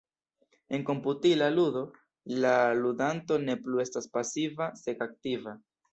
En komputila ludo, la ludanto ne plu estas pasiva sed aktiva.